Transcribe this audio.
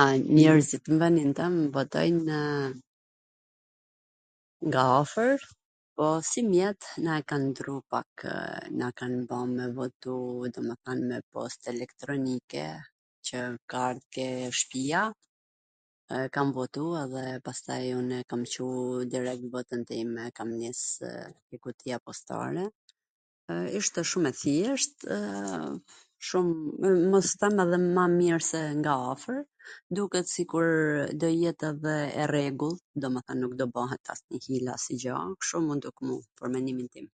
A, njerzit n vendin tem votojnw nga afwr, po simjet na e kan pru pakw... na kan ba me votu domethwn me post elektronike, qw ka ardh ke shpija, kam votu edhe pastaj un e kam Cu dorazi votwn time, e kam nisw te kutia postare, ishte shum e thjeshtw, pwr t mos than edhe ma e mir se ajo nga afwr, duket sikur do jet edhe e rregullt, domethan nuk do bahet asnji hile asnjw gjo, kshu m duket mu, pwr mendimin tim.